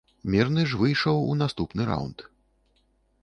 Мірны ж выйшаў у наступны раўнд.